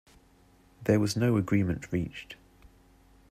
There was no agreement reached.